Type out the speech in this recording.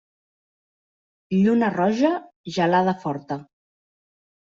Lluna roja, gelada forta.